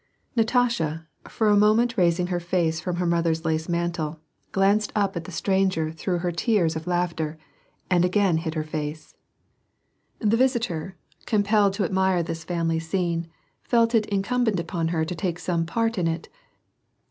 Natasha, for a moment raising her face from her mother's lace mantle, glanced up at the stranger through her tears of laughter and again hid her face. * My dear, there is a timo (or all things. WAR AND PEACE. 46 The visitor, compelled to admire this family scene, felt it incumbent upon her to take some part in it.